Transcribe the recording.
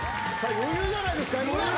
余裕じゃないですか？